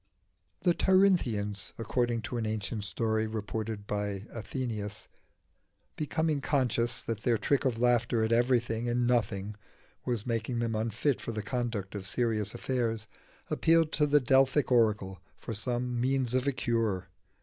The Tirynthians, according to an ancient story reported by Athenaeus, becoming conscious that their trick of laughter at everything and nothing was making them unfit for the conduct of serious affairs, appealed to the Delphic oracle for some means of cure.